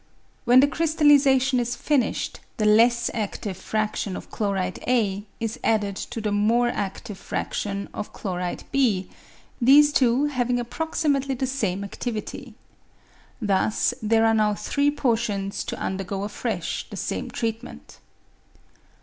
When the crystallisation is finished, the less adtive fradtion of chloride A is added to the more adtive fraction of chloride B, these two having approxi mately the same adtivity. Thus there are now three portions to undergo afresh the same treatment.